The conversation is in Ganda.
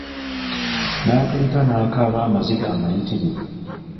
Natulika ne nkaaba amaziga amayitirivu.